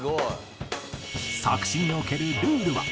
作詞におけるルールは？